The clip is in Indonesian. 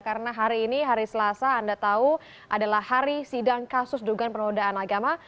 karena hari ini hari selasa anda tahu adalah hari sidang kasus dugaan penodaan agama